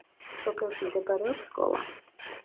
სოფელში მდებარეობს სკოლა.